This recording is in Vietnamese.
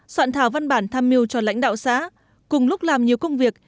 soạn thảo văn bản tham mưu cho lãnh đạo xã cùng lúc làm nhiều công việc